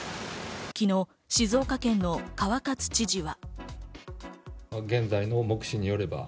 昨日静岡県の川勝知事は。